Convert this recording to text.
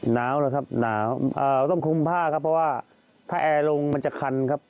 หนาวแล้วครับหนาวต้องคุมผ้าครับเพราะว่าถ้าแอร์ลงมันจะคันครับ